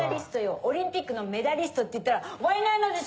オリンピックのメダリストって言ったらワイナイナでしょ！